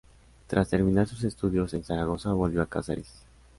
Tras terminar sus estudios en Zaragoza volvió a Cáceres.